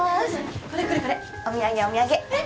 これこれこれお土産お土産えっ？